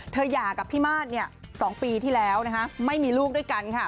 เธอย่ากับพี่มาร๒ปีที่แล้วไม่มีลูกด้วยกัน